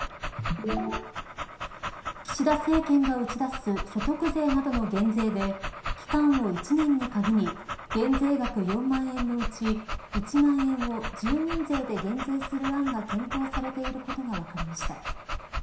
岸田政権が打ち出す所得税などの減税で期間を１年に限り減税額４万円のうち１万円を住民税で減税する案が検討されていることが分かりました。